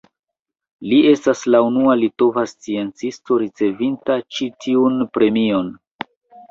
Li estas la unua litova sciencisto ricevinta ĉi tiun premion.